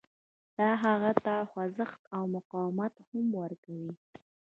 دا هغه ته خوځښت او مقاومت هم ورکوي